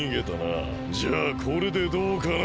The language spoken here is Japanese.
じゃあこれでどうかな？